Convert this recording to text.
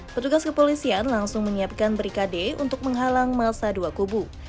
petugas kepolisian langsung menyiapkan brikade untuk menghalang masa dua kubu